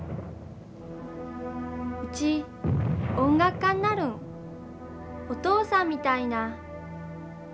うち音楽家になるんお父さんみたいな。